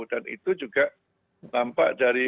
dan itu juga nampak dari